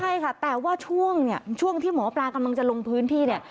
ใช่ค่ะแต่ว่าช่วงที่หมอปลากำลังจะลงพื้นที่